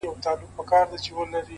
د آتشي غرو د سکروټو د لاوا لوري-